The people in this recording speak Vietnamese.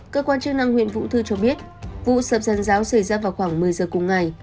cơ quan chức năng huyện vũ thư cho biết vụ sập giàn giáo xảy ra vào khoảng một mươi giờ cùng ngày